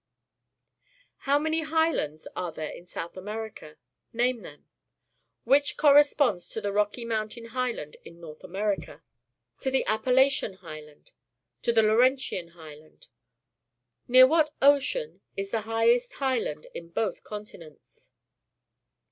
How many highlands are there in South Amer ica? Name them. Which corresponds to the Rocky Mountain Highland in North America? To the Appalachian Highland? To the Lauren tian Highland? Near what ocean is the highest highland of both continents?